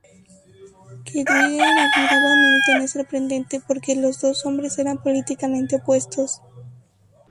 Que Dryden admiraba a Milton es sorprendente porque los dos hombres eran políticamente opuestos.